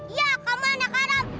iya kamu anak haram